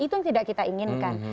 itu yang tidak kita inginkan